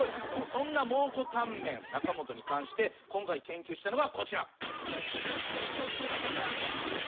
そんな蒙古タンメン中本に関して今回研究したのがこちら。